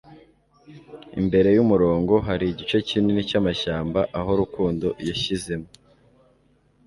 Imbere yumurongo hari igice kinini cyamashyamba aho Rukundo yashyizemo